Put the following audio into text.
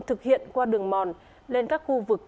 thực hiện qua đường mòn lên các khu vực